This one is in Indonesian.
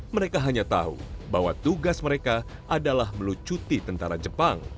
mereka hanya tahu bahwa tugas mereka adalah melucuti tentara jepang